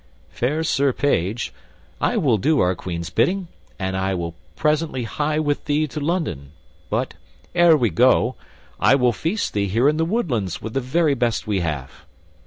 Fair Sir Page, I will do our Queen's bidding, and will presently hie with thee to London; but, ere we go, I will feast thee here in the woodlands with the very best we have."